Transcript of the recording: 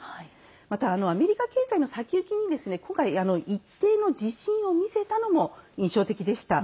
また、アメリカ経済の先行きに今回、一定の自信を見せたのも印象的でした。